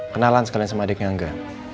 kenalan sekalian sama adiknya angga